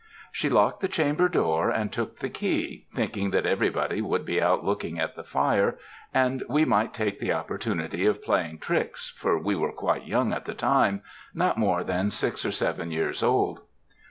She locked the chamber door, and took the key, thinking that every body would be out looking at the fire, and we might take the opportunity of playing tricks, for we were quite young at the time not more than six or seven years old.